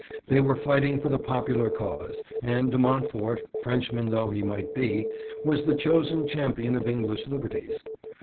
They were fighting for the popular cause, and De Montfort, Frenchman though he might be, was the chosen champion of English liberties.